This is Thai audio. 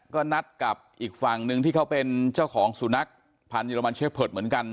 ก็นัดกับอีกฝั่งหนึ่งที่เขาเป็นเจ้าของสุนัขพันธ์เรมันเชฟเพิร์ตเหมือนกัน